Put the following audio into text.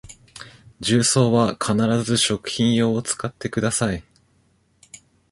重曹は必ず食品用を使ってください